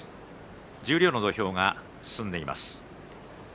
十両の土俵が進んでいます。